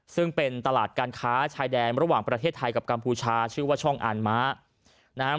ซึ่งเป็นตลาดการค้าชายแดนระหว่างประเทศไทยกับกัมพูชาชื่อว่าช่องอ่านม้านะครับ